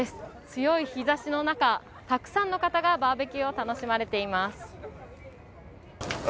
強い日ざしの中、たくさんの方がバーベキューを楽しまれています。